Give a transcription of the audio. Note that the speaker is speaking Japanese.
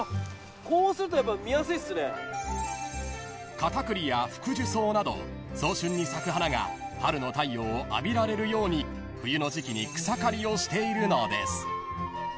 ［カタクリやフクジュソウなど早春に咲く花が春の太陽を浴びられるように冬の時季に草刈りをしているのです］